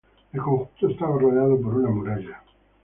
El conjunto estaba rodeado por una muralla.